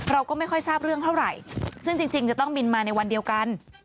เราก็ไม่ค่อยทราบเรื่องเท่าไหร่ซึ่งจริงจะต้องบินมาในวันเดียวกัน